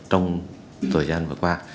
trong thời gian vừa qua